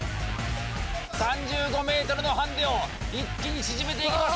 ３５ｍのハンデを一気に縮めていきます。